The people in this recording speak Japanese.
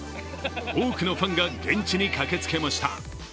多くのファンが現地に駆けつけました。